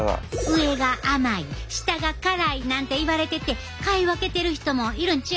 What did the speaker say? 上が甘い下が辛いなんて言われてて買い分けてる人もいるんちゃう？